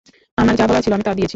আমার যা বলার ছিল, আমি তা দিয়েছি।